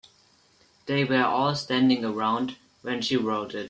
They were all standing around when she wrote it.